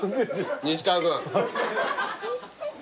西川君。